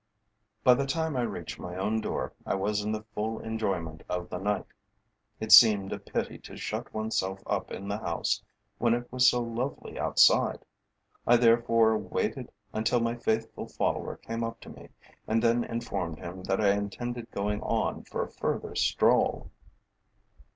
By the time I reached my own door I was in the full enjoyment of the night. It seemed a pity to shut oneself up in the house when it was so lovely outside. I therefore waited until my faithful follower came up to me, and then informed him that I intended going on for a further stroll.